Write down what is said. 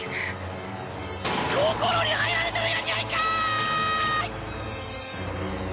心に入られとるやニャいかい！